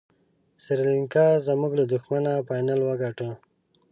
سریلانکا زموږ له دښمنه فاینل وګاټه.